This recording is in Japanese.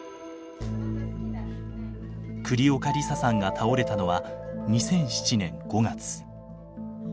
栗岡梨沙さんが倒れたのは２００７年５月。